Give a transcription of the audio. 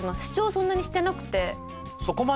そんなにしてなくて。